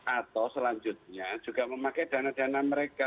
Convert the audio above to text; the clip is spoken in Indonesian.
atau selanjutnya juga memakai dana dana mereka